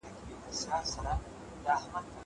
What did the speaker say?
دا سينه سپينه له هغه پاکه ده!!